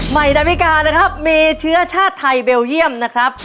ดาวิกานะครับมีเชื้อชาติไทยเบลเยี่ยมนะครับ